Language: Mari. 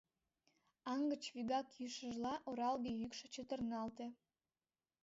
Аҥ гыч вигак йӱшыжла, оралге йӱкшӧ чытырналте: